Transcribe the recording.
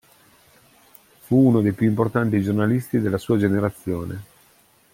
Fu uno dei più importanti giornalisti della sua generazione.